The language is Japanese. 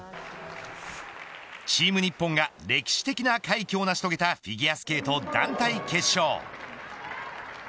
チーム日本が歴史的な快挙を成し遂げたフィギュアスケート団体決勝。